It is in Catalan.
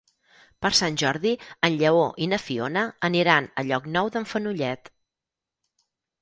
Per Sant Jordi en Lleó i na Fiona aniran a Llocnou d'en Fenollet.